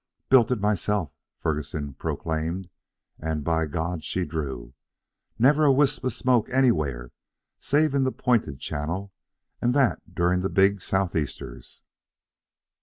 "Built it myself," Ferguson proclaimed, "and, by God, she drew! Never a wisp of smoke anywhere save in the pointed channel, and that during the big southeasters."